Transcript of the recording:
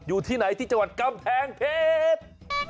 อยู่ที่ไหนที่จังหวัดกำแพงเพชร